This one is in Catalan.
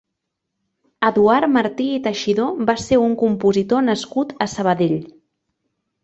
Eduard Martí i Teixidor va ser un compositor nascut a Sabadell.